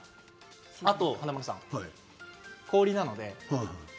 あと華丸さん、氷なので。